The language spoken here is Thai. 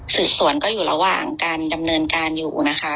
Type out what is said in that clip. สืบสวนก็อยู่ระหว่างการดำเนินการอยู่นะคะ